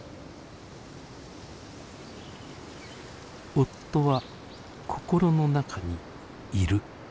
夫は心の中にいる。